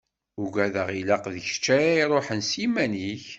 Ugadeɣ ilaq d kečč ara iruḥen s yiman-ik.